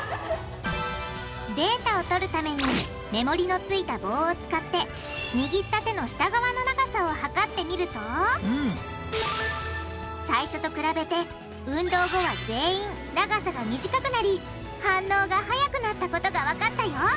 データを取るためにメモリのついた棒を使って握った手の下側の長さを測ってみると最初と比べて運動後は全員長さが短くなり反応が早くなったことがわかったよ！